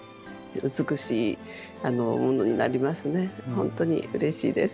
本当にうれしいです。